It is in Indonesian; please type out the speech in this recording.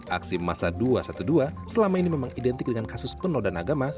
aksi masa dua ratus dua belas selama ini memang identik dengan kasus penodaan agama